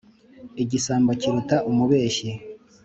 Igisambo kiruta umubeshyi,